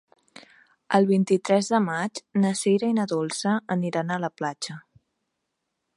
El vint-i-tres de maig na Sira i na Dolça aniran a la platja.